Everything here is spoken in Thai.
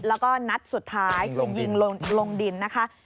แล้วก็นัดสุดท้ายคือยิงลงดินนะคะ